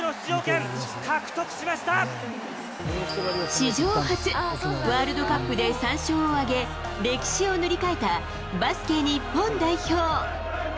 史上初、ワールドカップで３勝を挙げ、歴史を塗り替えた、バスケ日本代表。